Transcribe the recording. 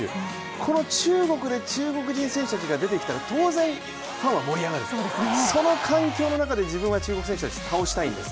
この中国で中国人選手たちが出てきたら当然ファンは盛り上がる、その環境の中で自分が中国選手たちを倒したいんです。